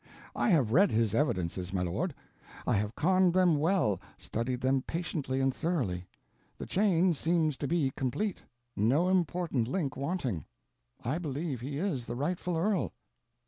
I have read his evidences, my lord. I have conned them well, studied them patiently and thoroughly. The chain seems to be complete, no important link wanting. I believe he is the rightful earl."